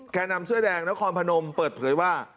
แก่นำเสื้อแดงนครพนมเปิดเผยว่า